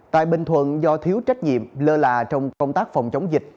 tại bình thuận do thiếu trách nhiệm lơ là trong công tác phòng chống dịch